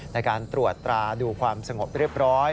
ในการตรวจตราดูความสงบเรียบร้อย